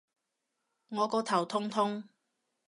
我個頭痛痛